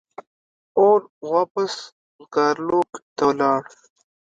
اور واپس ګارلوک ته لاړ.